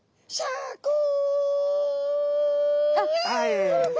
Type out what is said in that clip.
はい。